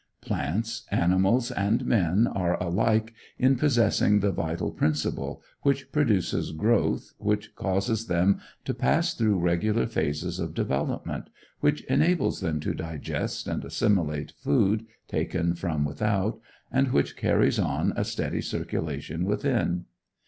Plants, animals, and men are alike in possessing the vital principle, which produces growth, which causes them to pass through regular phases of development, which enables them to digest and assimilate food taken from without, and which carries on a steady circulation within.